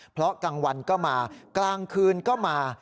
เพราะกลางวันก็มากลางคืนก็มา